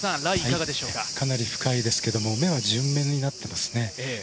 かなり深いですけど、目は順目になっていますね。